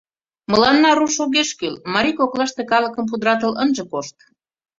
Мыланна руш огеш кӱл, марий коклаште калыкым пудыратыл ынже кошт.